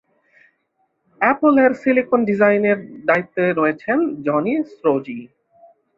অ্যাপলের silicon ডিজাইনের দায়িত্বে রয়েছেন জনি স্রোজি।